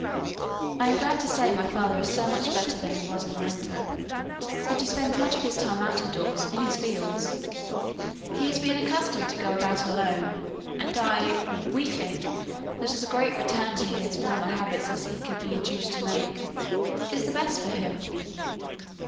"I'm glad to say my father is so much better than he was in the winter that he spends much of his time out of doors in his fields. He has been accustomed to go about alone, and I we think that as great a return to his former habits as he can be induced to make is the best for him."